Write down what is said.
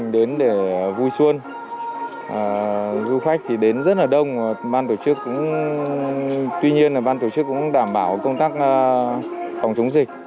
dù khách đến rất đông tuy nhiên bàn tổ chức cũng đảm bảo công tác phòng chống dịch